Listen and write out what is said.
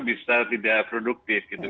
bisa tidak produktif gitu